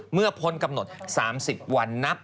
เมื่อพ้นกำหนด๓๐วันนับ